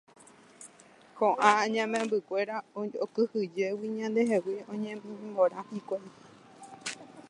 Ko'ã añamembykuéra okyhyjégui ñandehegui oñemiporãmba hikuái.